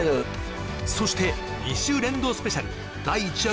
そして２週連動スペシャル第一夜